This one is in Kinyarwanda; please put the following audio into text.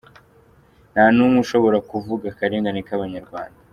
Nta n’umwe ushobora kuvuga akarengane k’abanyarwanda.